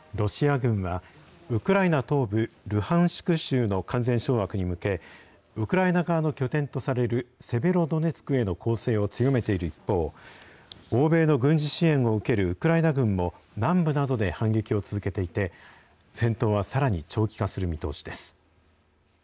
ロシア軍は、ウクライナ東部ルハンシク州の完全掌握に向け、ウクライナ側の拠点とされるセベロドネツクへの攻勢を強めている一方、欧米の軍事支援を受けるウクライナ軍も、南部などで反撃を続けていて、戦闘はさらに長期化する見通しです。